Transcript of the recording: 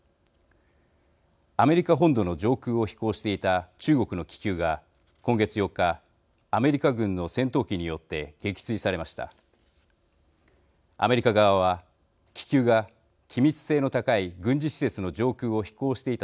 アメリカ本土の上空を飛行していた中国の気球が今月４日アメリカ軍の戦闘機によって撃墜されました。